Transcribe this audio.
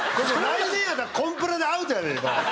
来年やったらコンプラでアウトやでこれ。